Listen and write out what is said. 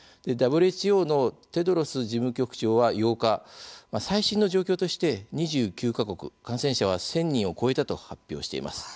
ＷＨＯのテドロス事務局長は８日最新の状況として２９か国、感染者は１０００人を超えたと発表しています。